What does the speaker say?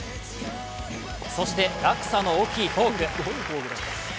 そして、落差の大きいフォーク。